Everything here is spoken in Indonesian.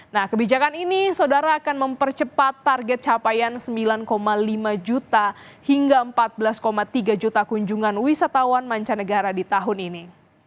nah kebijakan ini saudara akan mempercepat target capaian sembilan lima juta hingga empat belas tiga juta kunjungan wisatawan mancanegara di tahun ini